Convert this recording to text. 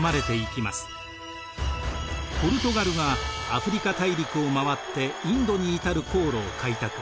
ポルトガルがアフリカ大陸を回ってインドに至る航路を開拓。